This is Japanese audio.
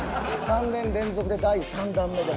３年連続で第３弾目で。